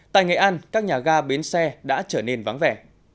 tại ngày ăn các nhà ga biến xe đã trở nên vắng vẻ